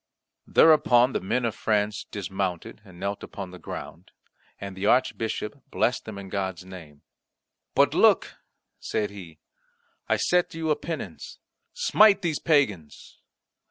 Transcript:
Thereupon the men of France dismounted, and knelt upon the ground, and the Archbishop blessed them in God's name. "But look," said he, "I set you a penance smite these pagans."